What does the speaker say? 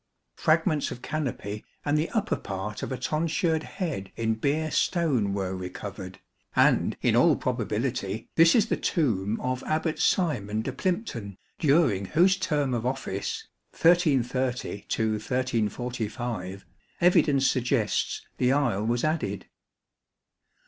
Fragments of canopy and the upper part of a tonsured head in Beer stone were recovered, and in all probability this is the tomb of Abbat Simon de Plympton, during whose term of office (1330 1345) evidence suggests the aisle was added.